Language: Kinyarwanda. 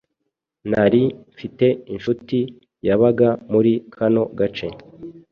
nari mfite inshuti yabaga muri kano gace